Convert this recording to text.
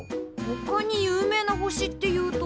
ほかに有名な星っていうと？